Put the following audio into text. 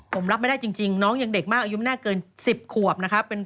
ผมรับไม่ได้จริงน้องยังเด็กมากอายุไม่น่าเกิน๑๐ขวบนะครับ